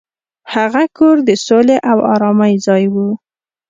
هغه کور د سولې او ارامۍ ځای و.